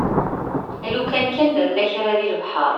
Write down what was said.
Alukan kan nerna kra deg lebḥer.